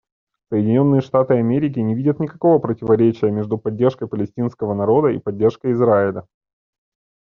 Соединенные Штаты Америки не видят никакого противоречия между поддержкой палестинского народа и поддержкой Израиля.